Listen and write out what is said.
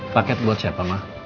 paket buat siapa ma